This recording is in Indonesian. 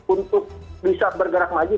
untuk bisa bergerak maju